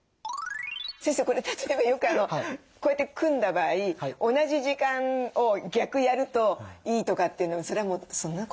先生これ例えばよくこうやって組んだ場合同じ時間を逆やるといいとかってそんなことないですよね？